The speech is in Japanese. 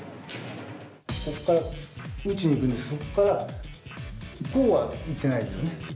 ここから打ちに行くんですけど、こうは行っていないですよね。